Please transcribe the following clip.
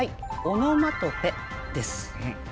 「オノマトペ」です。